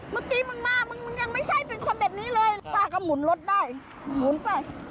มึงมามึงยังไม่ใช่เป็นคนแบบนี้เลยป้าก็หมุนรถได้หมุนไป